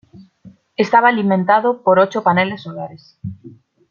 Estaba alimentado por ocho paneles solares.